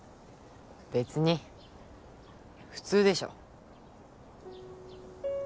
べつに普通でしょ。